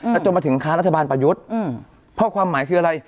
แล้วจนมาถึงค้ารัฐบาลประยุทธ์เพราะความหมายคืออะไร